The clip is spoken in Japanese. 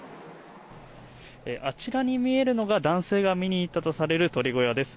あちらに見えるのが男性が見に行ったとみられる鳥小屋です。